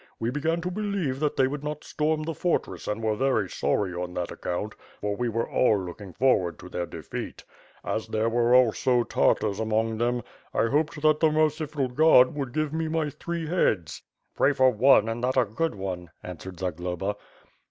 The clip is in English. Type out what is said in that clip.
We began to believe that they would not storm the fortress and were very sorry on that account; for we were all looking forward to their de feat. As there were also Tartars among them, I hoped that the merciful God would give me my three heads. .." "Pray for one, and that a good one," answered Zagloba.